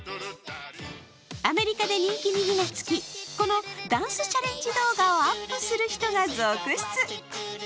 アメリカで人気に火がつき、このダンスチャレンジ動画をアップする人が続出。